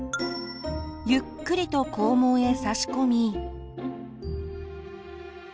ゆっくりと肛門へ差し込み。